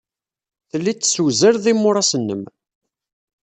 Telliḍ tessewzaleḍ imuras-nnem.